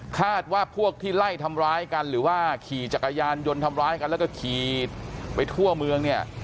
คาดว่าพวกที่ไล่ทำร้ายกันหรือว่าขี่จักรยานยนต์ทำร้ายกันแล้วก็ขี่ไปทั่วเมืองเนี่ย